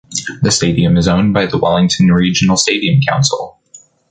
The stadium is owned by the Wellington Regional Stadium Council.